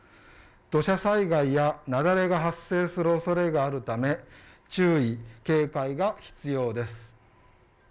土砂災害や雪崩が発生するおそれがあるため注意警戒が必要です。